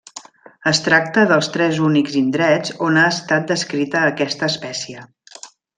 Es tracta dels tres únics indrets on ha estat descrita aquesta espècie.